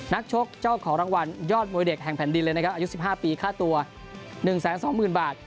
ชกเจ้าของรางวัลยอดมวยเด็กแห่งแผ่นดินเลยนะครับอายุ๑๕ปีค่าตัว๑๒๐๐๐บาท